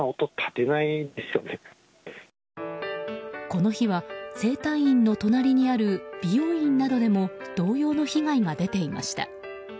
この日は整体院の隣にある美容院などでも同様の被害が出ていました。